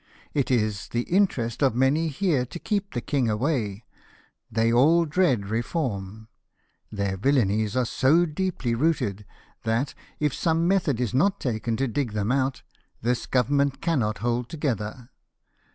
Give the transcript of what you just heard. It is the interest of many here to keep the king away ; they all dread reform ; their villainies are so deeply rooted, that, if some method is not taken to dig them out, this Govern ment cannot hold together.